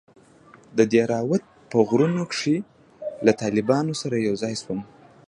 د دهراوت په غرونو کښې له طالبانو سره يوځاى سوم.